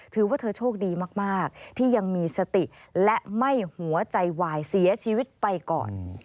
ถือว่าเธอโชคดีมากที่ยังมีสติและไม่หัวใจวายเสียชีวิตไปก่อน